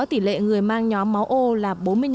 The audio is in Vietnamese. tỷ lệ người mang nhóm máu ô là bốn mươi năm